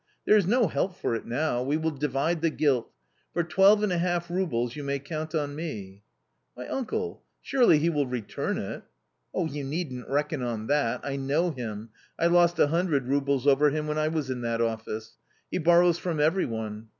There is no help for it now, we will divide the guilt ; for twelve and a half roubles you may count on me." " Why, uncle, surely he will return it ?" "You needn't reckon on that ! I know him ; I lost 100 roubles over him when I was in that office. He borrows from every one.